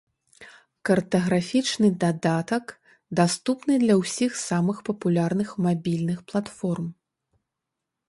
Картаграфічны дадатак даступны для ўсіх самых папулярных мабільных платформ.